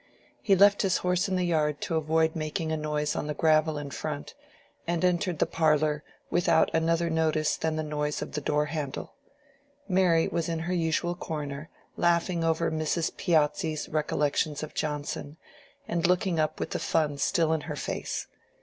He left his horse in the yard to avoid making a noise on the gravel in front, and entered the parlor without other notice than the noise of the door handle. Mary was in her usual corner, laughing over Mrs. Piozzi's recollections of Johnson, and looked up with the fun still in her face.